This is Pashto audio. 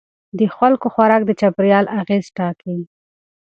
د خلکو خوراک د چاپیریال اغېز ټاکي.